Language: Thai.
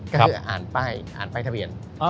ก็คืออ่านป้ายทะเบียน